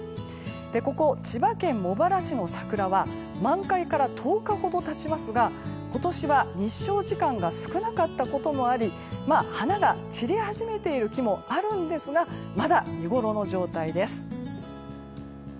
ここ、千葉県茂原市の桜は満開から１０日ほど経ちますが今年は日照時間が少なかったこともあり花が散り始めている木もあるんですがまだ見ごろの状態です。